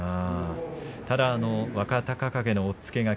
ただ若隆景の押っつけが